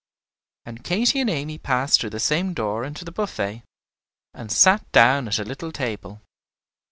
And Katy and Amy passed through the same door into the buffet, and sat down at a little table.